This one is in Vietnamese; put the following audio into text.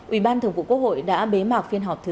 ubth đã bế mạc phiên họp thứ hai mươi bốn